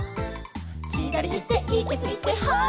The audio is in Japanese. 「ひだりいっていきすぎてはっ」